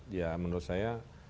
ya menurut saya